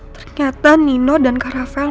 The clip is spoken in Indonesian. ternyata nino dan kak rafael